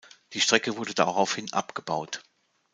Die Strecke wurde daraufhin abgebaut.